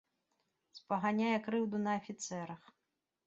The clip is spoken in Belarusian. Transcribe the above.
Спаганяе крыўду на афіцэрах.